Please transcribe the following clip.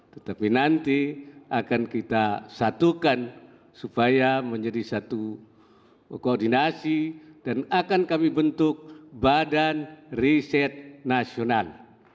tetapi nanti akan kita satukan supaya menjadi satu koordinasi dan akan kami bentuk badan riset nasional